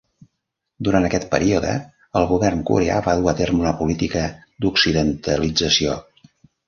Durant aquest període, el govern coreà va dur a terme una política d'occidentalització.